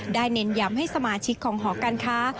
เน้นย้ำให้สมาชิกของหอการค้า